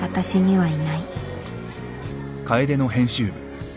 はい。